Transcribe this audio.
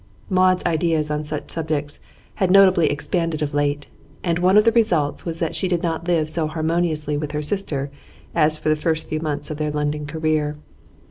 Maud's ideas on such subjects had notably expanded of late, and one of the results was that she did not live so harmoniously with her sister as for the first few months of their London career.